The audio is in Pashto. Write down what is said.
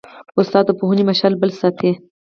استاد د پوهنې مشعل بل ساتي.